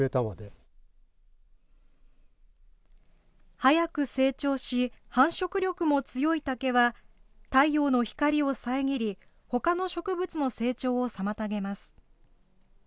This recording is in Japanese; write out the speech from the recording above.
早く成長し、繁殖力も強い竹は、太陽の光を遮り、ほかの植物の成長を妨げます。